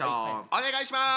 お願いします！